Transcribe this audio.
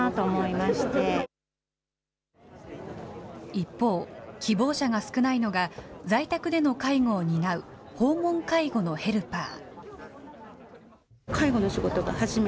一方、希望者が少ないのが、在宅での介護を担う訪問介護のヘルパー。